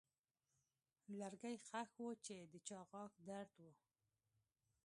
لرګی ښخ و چې د چا غاښ درد و.